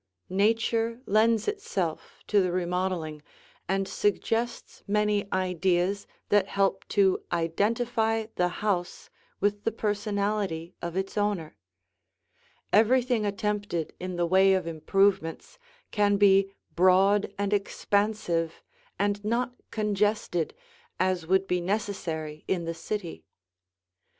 Nature lends itself to the remodeling and suggests many ideas that help to identify the house with the personality of its owner. Everything attempted in the way of improvements can be broad and expansive and not congested, as would be necessary in the city.